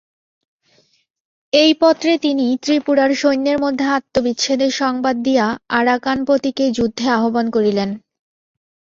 এই পত্রে তিনি ত্রিপুরার সৈন্যের মধ্যে আত্মবিচ্ছেদের সংবাদ দিয়া আরাকানপতিকে যুদ্ধে আহ্বান করিলেন।